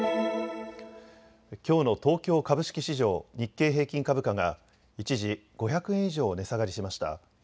きょうの東京株式市場、日経平均株価が一時、５００円以上値下がりしました。